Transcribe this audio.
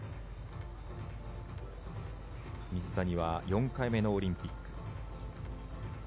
水谷は４回目のオリンピック。